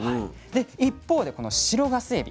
一方でこの白ガスエビ